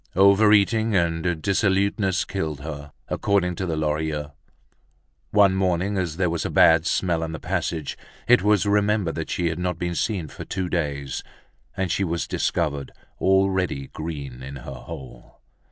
Overeating and dissoluteness killed her, according to the Lorilleuxs. One morning, as there was a bad smell in the passage, it was remembered that she had not been seen for two days, and she was discovered already green in her hole.